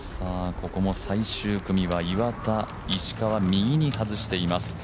ここも最終組は岩田、石川右に外しています。